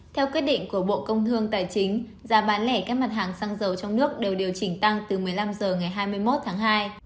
theo quyết định của bộ công thương tài chính giá bán lẻ các mặt hàng xăng dầu trong nước đều điều chỉnh tăng từ một mươi năm h ngày hai mươi một tháng hai